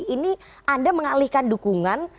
ini anda mengalihkan dukungan